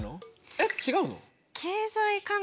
えっ違うの？